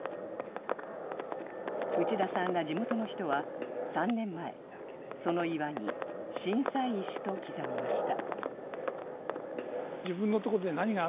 内田さんら地元の人は３年前、その岩に震災石と刻みました。